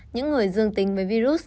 những người dương tình với virus